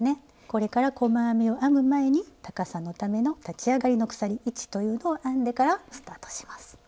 これから細編みを編む前に高さのための立ち上がりの鎖１というのを編んでからスタートします。